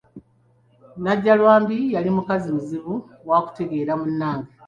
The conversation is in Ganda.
Najjalwambi yali mukazi muzibu wakutegeera munnange.